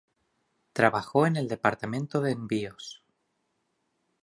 Trabajó en el Departamento de Envíos.